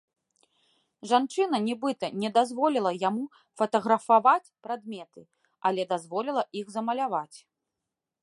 Жанчына нібыта не дазволіла яму фатаграфаваць прадметы, але дазволіла іх замаляваць.